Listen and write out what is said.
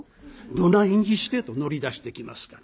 「どないにして？」と乗り出してきますから。